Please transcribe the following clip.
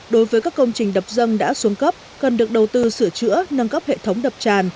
đối với các công trình đập dân đã xuống cấp cần được đầu tư sửa chữa nâng cấp hệ thống đập tràn